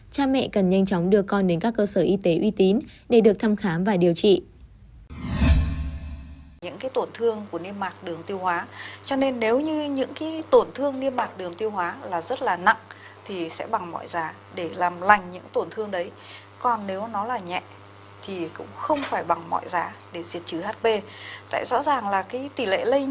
cha mẹ cần nhanh chóng đưa con đến các cơ sở y tế uy tín để được thăm khám và điều trị